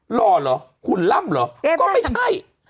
หล่อเหรอหุ่นล่ำเหรอก็ไม่ใช่